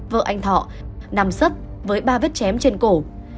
vợ anh thọ nằm sấp với ba vết chém trên cổ